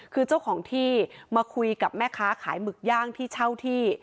คือเจ้าของที่มาคุยกับแม่ค้าขายหมึกย่างที่เช่าที่